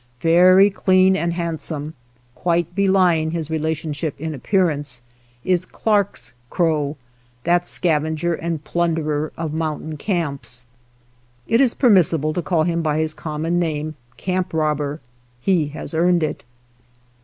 Very clean and handsome, quite bely ing his relationship in appearance, is Clark's crow, that scavenger and plunderer of mountain camps. It is permissible to call him by his common name, " Camp Robber :" he has earned it.